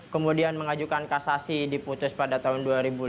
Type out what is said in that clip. kemudian mengajukan kasasi diputus pada tahun dua ribu lima belas